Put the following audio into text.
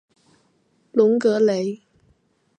隆格雷。